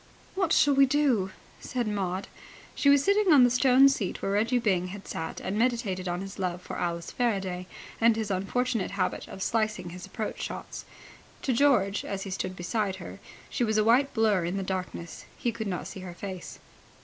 "What shall we do?" said Maud. She was sitting on the stone seat where Reggie Byng had sat and meditated on his love for Alice Faraday and his unfortunate habit of slicing his approach shots. To George, as he stood beside her, she was a white blur in the darkness. He could not see her face.